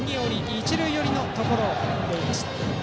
一塁寄りのところを踏んで投げていました。